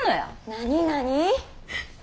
何何？